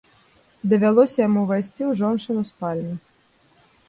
Давялося яму ўвайсці ў жончыну спальню.